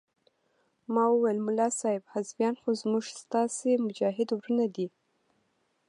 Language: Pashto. ما وويل ملا صاحب حزبيان خو زموږ ستاسې مجاهد ورونه دي.